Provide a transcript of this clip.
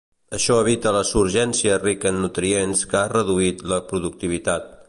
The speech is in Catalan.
Això evita la surgència rica en nutrients que ha reduït la productivitat.